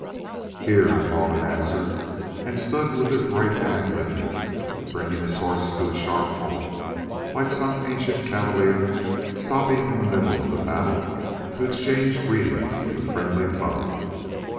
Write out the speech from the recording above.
"Here!" he called in answer, and stood with his right hand lifted, bringing his horse to a sharp halt, like some ancient cavalier stopping in the middle of the battle to exchange greetings with a friendly foe.